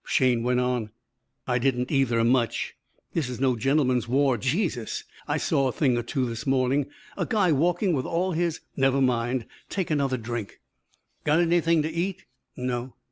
Shayne went on, "I didn't either much. This is no gentleman's war. Jesus! I saw a thing or two this morning. A guy walking with all his " "Never mind. Take another drink." "Got anything to eat?" "No."